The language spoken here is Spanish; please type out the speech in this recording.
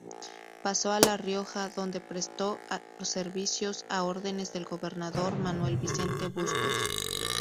Pasó a La Rioja, donde prestó servicios a órdenes del gobernador Manuel Vicente Bustos.